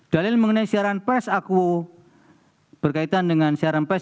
dalil mengenai siaran pesakku berkaitan dengan siaran pes